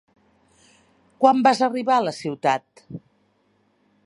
Quan vas arribar a la ciutat?